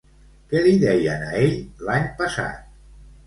Què li deien a ell l'any passat?